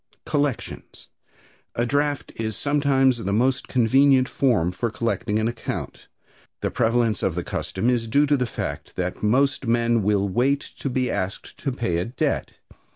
Collections. A draft is sometimes the most convenient form for collecting an account. The prevalence of the custom is due to the fact that most men will wait to be asked to pay a debt.